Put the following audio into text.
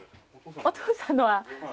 お父さんのは。